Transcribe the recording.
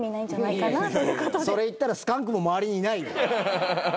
それ言ったらスカンクも周りにいないよ。